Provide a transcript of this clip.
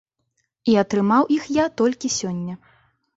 І атрымаў іх я толькі сёння.